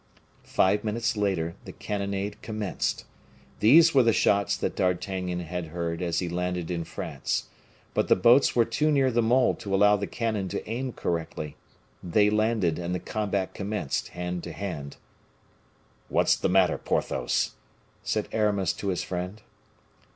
Five minutes later, the cannonade commenced. These were the shots that D'Artagnan had heard as he landed in France. But the boats were too near the mole to allow the cannon to aim correctly. They landed, and the combat commenced hand to hand. "What's the matter, Porthos?" said Aramis to his friend.